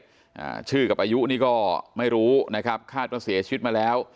อ่าชื่อกับอายุนี่ก็ไม่รู้นะครับคาดว่าเสียชีวิตมาแล้ว